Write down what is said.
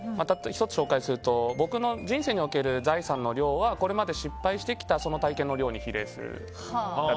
１つ、紹介すると僕の人生における財産の量はこれまで失敗してきた体験の量に比例するとか。